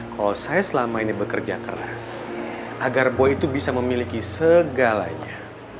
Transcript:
kalau saya selama ini bekerja keras agar buah itu bisa memiliki segalanya